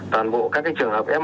toàn bộ các trường hợp f một